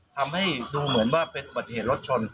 ทำให้ดูเหมือนว่าเป็นอุบัติเหตุรถชน